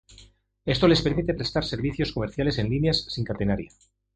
Esto les permite prestar servicios comerciales en líneas sin catenaria.